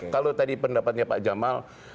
kalau tadi pendapatnya pak jamal